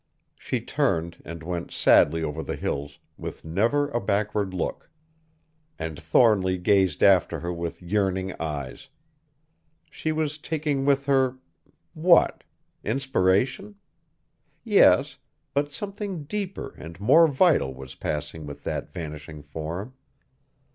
She turned, and went sadly over the hills with never a backward look. And Thornly gazed after her with yearning eyes. She was taking with her what? Inspiration? Yes, but something deeper and more vital was passing with that vanishing form.